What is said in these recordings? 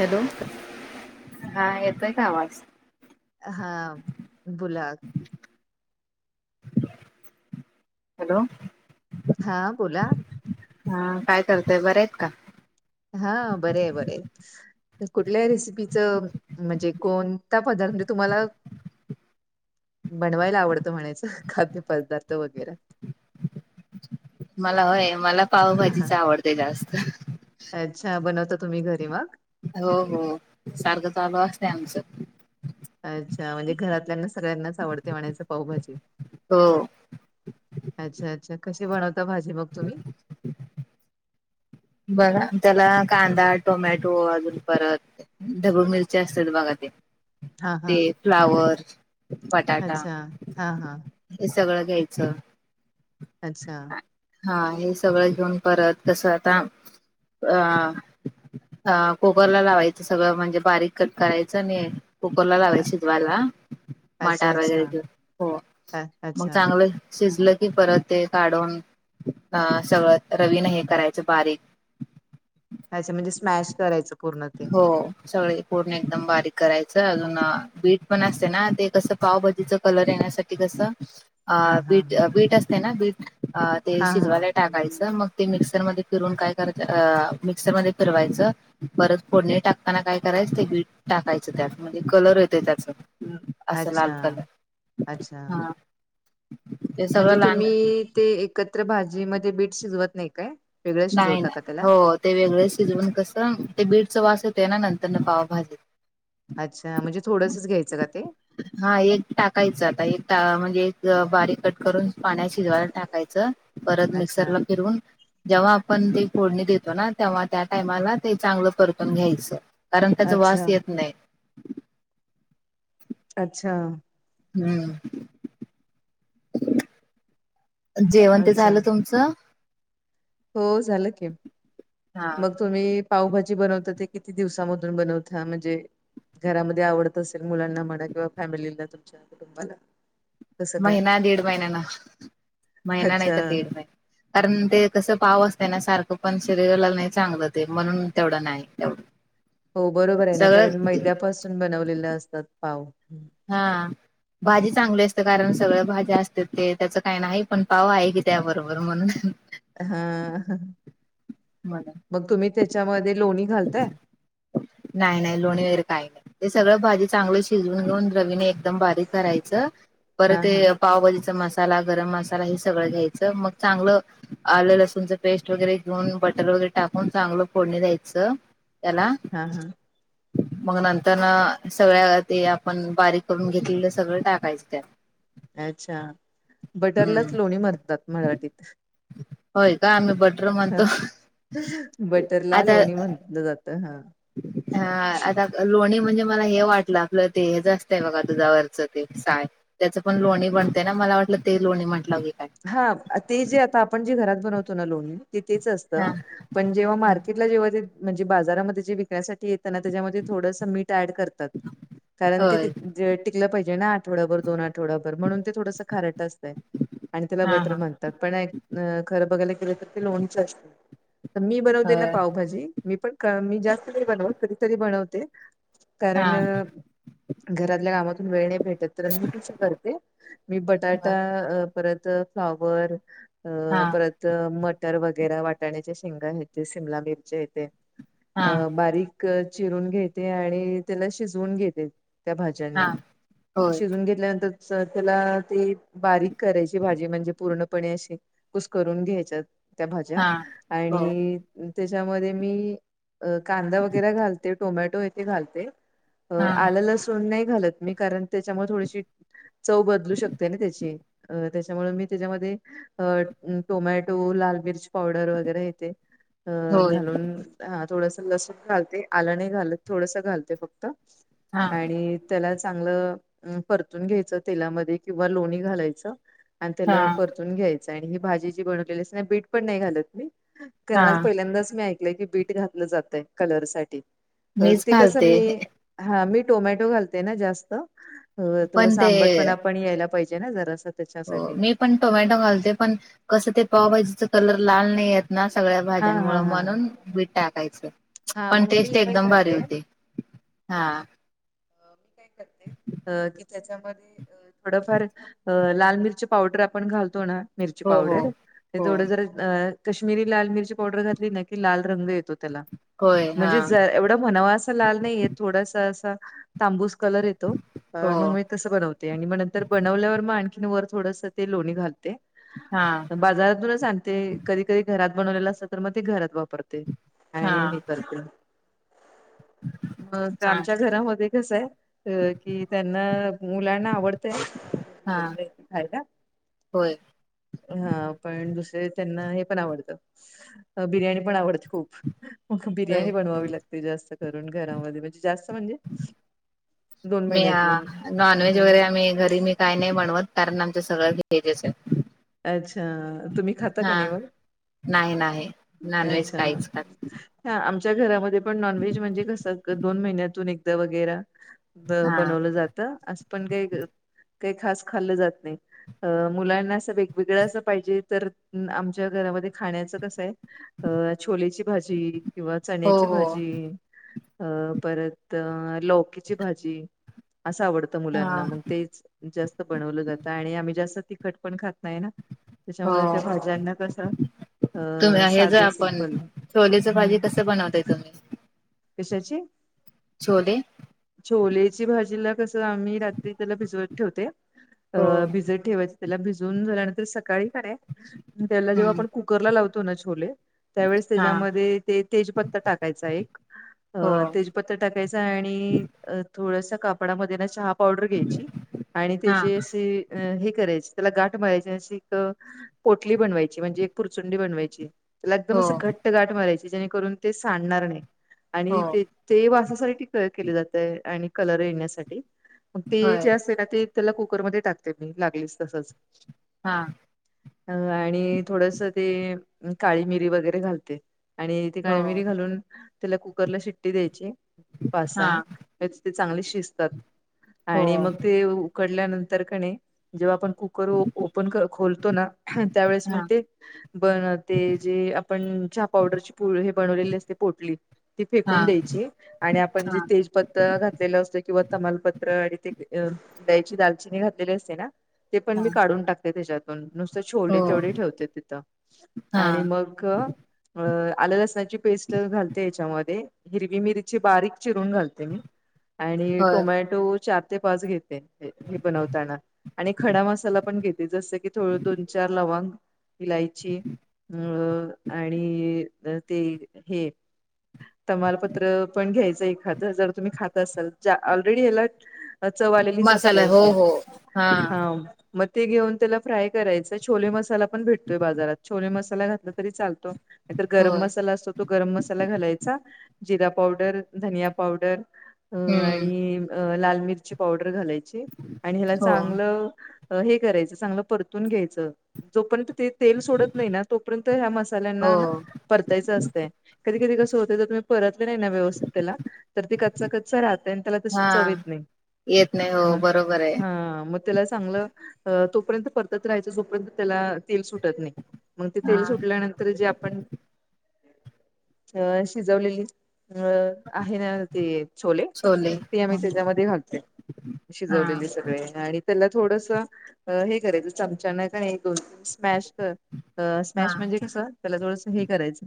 Hello हा येतोय का आवाज. हा बोला. हॅलो हा बोला. हा काय करताय. बऱ्या आहेत का? हा बरी आहे बरी आहे. कुठल्या रेसिपीच म्हणजे कोणता पदार्थ मी तुम्हाला बनवायला आवडतं म्हणायचं खाद्यपदार्थ वगैरे. मला होय. मला हा हा. पावभाजीच आवडते जास्त. अच्छा बनवता तुम्ही घरी मग. हो हो सारखं चालू असत आमच. अच्छा म्हणजे घरातल्याना सगळ्यांनाच आवडते म्हणायच पावभाजी. हो अच्छा अच्छा कशी बनवता भाजी मग तुम्ही. [inaudible] बघा त्याला कांदा, टोमॅटो अजून परत ढबु मिरची असतात बघा ते. हा ते हा फ्लावर, बटाटा अच्छा हा हा हे सगळं घ्यायचं. अच्छा हा हे सगळं घेऊन परत कसं आता अ अ कुकर लावायच सगळ. म्हणजे बारीक कट करायचं. आणि कुकरला अ- लावायच शिजवायला. [inaudible] मटार अच्छा वगैरे घेऊ. हो अ- मग अच्छा चांगलं शिजलं की परत ते काढून अ सगळं रवीन हे करायचं बारीक. अच्छा म्हणजे स्मॅश करायचं पूर्ण ते हो सगळे पूर्ण एकदम बारीक करायचं. अजून बीट पण असते ना ते कसं पावभाजीच कलर येण्यासाठी ते कस हा हा बीट हा बीट असते ना बीट. ते हा हा शिजवायला टाकायच. मग ते मिक्सर मध्ये फिरून काय करायचं मिक्सर मध्ये फिरवायचं. परत फोडणी टाकताना काय करायचं ते गी टाकायचं त्यात म्हणजे कलर येतं त्याचं असा अच्छा लाल कलर अच्छा हा. ते सगळं म्हणजे लहान तुम्ही ते एकत्र भाजीमध्ये बीट शिजवत नाही काय? वेगळं नाही शिजवता का नाही त्याला? हो ते वेगळेच शिजवून कसं ते बीटचा वास होेत ना नंतर न पावा भाजेत. अच्छा म्हणजे थोडंसच घ्यायचं का ते हा एक टाकायचं आता एक म्हणजे एक बारीक कट करून पाण्या शिजवायला टाकायचं. परत अच्छा मिक्सरला फिरून. जेव्हा आपण ते फोडणी देतो ना तेव्हा त्या टायमाला ते चांगलं परतून घ्यायचं. कारण त्याचा वास अच्छा येत नाही. अच्छा. हम्म. जेवण ते अच्छा झालं तुमचं? हो झालं के हा मग तुम्ही पावभाजी बनवता ते किती दिवसामधून बनवता म्हणजे घरामध्ये आवडत असेल मुलांना म्हणा किंवा फॅमिलीला तुमच्या कुटुंबाला कसं काय? महिना दीड महिन्या ना महिना नाही अच्छा तर दीड महिना कारण ते कसं पाव असते ना सारखं पण शरीराला नाही चांगलं ते म्हणून तेवढं नाही तेवढं. हो बरोबर आहे ना कारण सगळं मैद्यापासून बनवलेले असतात पाव हा. भाजी चांगली असते कारण सगळ भाज्या असते ते त्याचं काही नाही पण पाव आहे की त्याबरोबर म्हणून हा म्हणून मग तुम्ही त्याच्यामध्ये लोणी घालताय. नाही नाही लोणी वगैरे काही नाही ते सगळं भाजी चांगली शिजून घेऊन रवीने. एकदम बारीक करायचं पर हा हा ते पावभजीचा मसाला गरम मसाला हे सगळं घ्यायचं मग चांगलं. आलं लसूणच पेस्ट वगैरे घेऊन बटर वगैरे टाकून चांगलं फोडणी द्यायचं. त्याला हा हा. मग नंतर ना सगळ्या ते आपण बारीक करून घेतलेलं सगळं टाकायचं त्या अच्छा बटरलाच हम्म लोणी मरतात मराठीत होय का आम्ही बटर म्हणतो आता जात हा. हा. लोणी म्हणजे मला हे वाटलं आपलं ते हे जास्त आहे बघा तुझ्यावरचं ते साय. त्याचं पण लोणी बनते ना मला वाटलं ते लोणी म्हटलं की काय? हा ते जे आता आपण जे घरात बनवतो ना लोणी तिथ तेच असतं हा पण जेव्हा हा मार्केटला जेव्हा ते म्हणजे बाजारामध्ये जे विकण्यासाठीेत त्यांना त्याच्यामध्ये थोडस मीठ ॲड करतात कारण ते होय टिकलं पाहिजे ना आठवड्याभर दोन आठवड्याभर म्हणून ते थोडसं खारट असतय. आणि त्याला हा बटर हा म्हणतात पण खरं बघायला गेलं तर ते लोणच असते. तर मी बनवते ना होय पावभाजी मी पण मी जास्त नाही बनव कधीतरी बनवते. हा कारण घरातल्या कामातून वेळणे भेट. तर मी क करते, मी बटाटा, होय परत फ्लावर हा अ परत मटर वगैरा वटाण्याच्या शेंग य ते शिमला मिरच्या येते. हा अ बारीक चिरून घेते आणि त्याला शिजवून घेते. त्या हा भाज्यांना होय शिजवून घेतल्यानंतर त्याला ते बारीक करायची भाजी म्हणजे पूर्णपणे अशी कुस करून घ्यायच्या. त्या भाज्या हा हो आणि त्याच्यामध्ये मी कांदा वगैरे घालते टोमॅटो येथे घालते. अ हा आलं लसून नाही घालत मी कारण त्याच्यामुळे थोडीशी चव बदलू शकते ना त्याची अ त्याच्यामुळ मी त्याच्यामध्ये अ टोमॅटो, लाल मिर्च पावडर, वगैरे येते. अ होय घालून हा थोडस लसूण घालते, आलं नाही घालत थोडस घालते फक्त. हा आणि! त्याला चांगलं परतून घ्यायचं तेलामध्ये, किंवा लोणी घालायचं. आण हा त्याला परतून घ्यायचं आहे, ही भाजी जी बनवलेली असते ना, बीट पण नाही घालत मी. हा कारण आज पहिल्यांदाच मी ऐकलंय, की बीट घातलं जातय कलर साठी. अ मीच ते कसं घालते मी. हा मी टोमॅटो घालते ना जास्त, अ पण थोडस ते आंबटपणा पणा यायला पाहिजे ना जरास. मी पण टोमॅटो घालते, पण कसं ते पावभाजीच कलर लाल नाही येत. ना सगळ्या हा भाज्यां मुंळ हा हा म्हणून बीट टाकायचं, हा पण मग मी टेस्ट काय एकदम भारी करते अ, होते. हा! की त्याच्यामध्ये अ थोडफार अ लाल मिरची पावडर, आपण घालतो ना मिरची हो हो पावडर, ते हो थोडं जर अ कश्मीरी लाल मिरची पावडर, घातली ना की लाल रंग, येतो त्याला. होय हा म्हणजे ज एवढ म्हणावा अस लाल नाहीय, थोडस अस तांबूस कलर येतो हो अ मंग [unintelligible] तसं बनवते आणि म नंतर बनवल्यावर, म आणखीन वर थोडस ते लोणी घालते. हां! बाजारातूनच आणते कधी, कधी, घरात बनवलेलं असल तर म ते घरात वापरते. हा आणी हे करतील. मग चांग आमच्या घरामध्ये कसं आहे. त कि त्यांना मुलांना हा आवडतंय खायला. होय, हा पण दुसरे त्यांना हे पण आवडतं, बिर्याणी पण आवडती खूप. मग बिर्याणी होय बनवावी लागते जास्त करून घरामध्ये, म्हणजे जास्त म्हणजे. दोन मी महिन्यातून नॉनव्हेज हा वगैरे आम्ही घरी मी काही नाही बनवत, कारण आमचं सगळं व्हेजच आहे. अच्छा! तुम्ही खाता का हा नाही मग नाही नाही नॉनव्हेज अच्छा. काहीच खात हं आमच्या घरामध्ये पण नॉनव्हेज म्हणजे कसं दोन महिन्यातून एकदा वगैरा. ब हा बनवलं जातं अस. पण काई काही खास खाल जात नाही, अ मुलांना अस वेग ळं अस पाहिजे, तर आमच्या घरामध्ये खाण्याचं कसं आहे. अ छोलेची भाजी, किंवा हो चण्याची हो भाजी. अ परत लौकीची भाजी, असं आवडतं हा मुलांना, मग तेचऽ जास्त बनवलं जातं, आणि आम्ही जास्त तिखट पण खात नाही ना. हो त्याच्यामुळे, त्या भाज्यांना कसं. तुम्ही अ हे ज साधं आपण सिंपल छोलेच भाजी हम्म कस बनवता? कशाची? छोले! छोलेची भाजीला कस, आम्ही रात्री त्याला भिजवत ठेवते. अ हो भिजत ठेवायच त्याला, भिजवून झाल्यानंतर सकाळी कणी. त्याला जेव्हा हम्म आपण कुकरला लावतो ना छोले. त्यावेळेस हा त्याच्यामध्ये ते तेजपत्ता टाकायचा एक. अ हो तेजपत्ता टाकायचा, आणि थोडसा कापडामध्ये ना चहा पावडर घ्यायची, आणि हा त्याची अशी हे करायचे, त्याला गाठ मारायची, असे एक पोटली बनवायची, म्हणजे एक पुुरचुंडी बनवायची.. त्याला एकदम हो असं घट्ट गाठ मरायची, जेणेकरून ते सांडणार नही हो आणि ते ते वासासाठी तया केले जातय, आणि कलर येण्यासाठी. मग ते होय जे असते ना ते त्याला कुकरमध्ये टाकते मी, लागलीस, तसच. हां, अ, आणि थोडस ते काळी मिरी वगैरे घालते. आणि ती हो काळ मििरी घालून त्याला कुकरला शिट्टी द्यायची. पा हा सा ते चांगले शिजतात,, हो आणि मग तेऽ उकडल्यानंतर क नै, जेव्हा आपण कुकर ओपन, खोलतो ना, त्यावेेळेस मग हा तेऽ बनते जे आपण चहा पावडरची प हे बनवलेली असते पोटली. ती हा फेकून द्यायची, आणि आपण जेऽ हा तीजपत्त घातलेलं असतं किंवा तमालपत्र आणि ते दयची दालचिनी घातलेली असते ना ते पण हा मी काढून टाकते त्याच्यात नुसते हो छोले तेवढे ठेवते तिथं हा आणि मग आलं लसणाची पेस्ट घालत याच्यामध्ये हिरवी मिरची बारीक चिरून घालते मी आणि होय टोमॅटो चार ते पाच घेत बनताना आणि खडा मसाला पण घेते जस थोड दोन चार लवांग इलायची अ आणि ते हे तमालपत्र पण घ्यायचं एखादं जर तुम्ही खाता असाल ज ऑलरेडी हला अ चवा आलेलीच असते मसाला हो अशी हो हा मग ते घेऊन त्याला फ्राय करायचं छोले मसाला पण भेटतोय बाजारात छोले मसाला घातला तरी चालत नाही तर गरम होय मसाला असतो तो गरम मसा घालाय जरा पावडर न पावडर हम्म आणि अ लाल मिरची पावडर घालायची आणि ह्याला हो चांगलं हे करायचं चांगलं परतून घ्यायचं जो पण त ते तेल सोडत नाही ना तोपर्यंत ह्या हो मसाल्यांना परतायचं असतय कधी कधी कसं होत तर तुम्ही परतले नाही ना व्यवस्थित त्याला तर ते कच्चा कच्चा राहत आणि त्याला तशी हा चवेत नाही येत नाही म हो बरोबर आहे हा म त्याला चांगलं तोपर्यंत परतत राहायचं जोपर्यंत त्याला तेल सुटत नाही मग ते हा तेल सुटल्यानंतर जे आपण अ शिजवलेली अ आहे ना ते छोले मग त आम्ही त्याच्यामध्ये घालते शिजवलेली सगळे आणि त्याला थोडस हे करायचं चमचानक आणि एक दोन तीन स्मॅश हा स्मॅश म्हणजे कस त्याला थोडस हे करायचं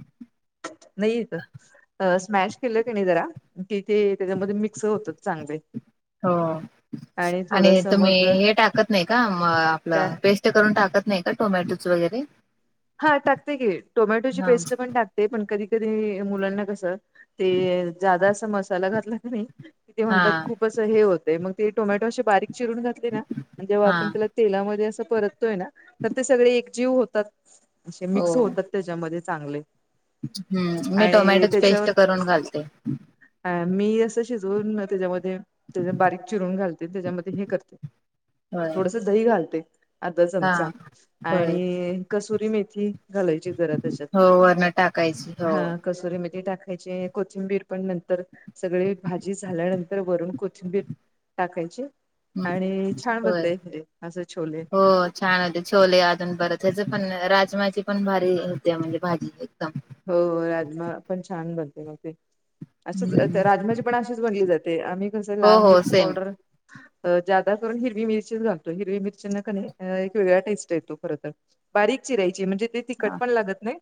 नाही येत स्मॅश केलं त्याने जरा कि ते त्याच्यामध्ये मिक्स होत चांगले हो आणि थोडस तुम्ही मग हे टाकत नाही का म त्या आपलं पेस्ट ून टाकत नाही का टोमॅटोच वगैरे हा टाकते की टोमॅटोची हा पेस्ट पण टाकते पण कधी कधी मुलांना कसं ते जादा अस मसाला घातला नाही हा म्हणतात खूपच होतय मग त टोमॅटो अशी बारीक चिरून घातली ना जेव्हा हा आपण तला तेला परत तर ते सगळे एकजीव होतात असे हो मिक्स होतात त्याच्यामध्ये चांगले हम्म मी आणि टोमॅटोची त्याच्यावर पेस्ट करून घालते अ मी असं शिजवून त्याच्यामध्ये त्या बारीक चिरून घालते त्याच्यामध्ये हे करते ह थोडस दही घालते अर्धा चमचा होय आणि कसुरी मेथी घालायची जरा त्याच्यात. टाकायच हो हा कसुरी मेथी टाकायची कोथिंबीर पण नंतर सगळी भाजी झाल्यानंतर वरून कोथिंबीर टाकायची हं, आणि छान होय [unintelligible] असे छोले हो छान होते छोले अजून बरं त्याच पण राजमाची पण भारी होते म्हणजे भाजी एकदम हो राजमा पण छान बनते मग ते असच हम्म राजमाजी पण अशीच बनली जाते ते आम्ही कसं हो लाल हो मिरच सेम पावडर जादा करून हिरवी मिरचीच घालतो हिरवी मिरची ना क एक वेगळा्या टेस्ट येतो खर तर बारीक चिरायची म्हणजे ते तिखट पण लागत नाही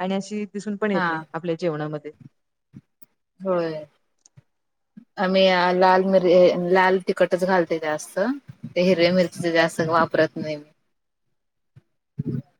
आणि अशी दिसून पण हा येत नाही आपल्या जेवणामध्ये होय आ्ही लाल मि लाल तिखटच घालते जास्त ते हिरव्या मिरचीच जास्त वापरत नाही हम